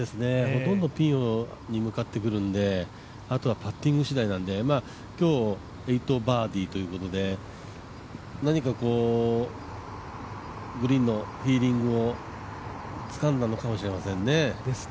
ほとんどピンに向かってくるのであとはパッティングしだいなので、今日８バーディーということで何かグリーンのフィーリングをつかんだのかもしれませんね。